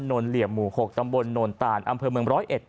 นนเหลี่ยหมู่๖ตำบลนนต่านอำเภอเมือง๑๐๑